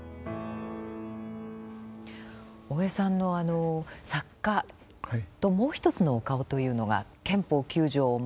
大江さんの作家ともう一つのお顔というのが憲法９条を守る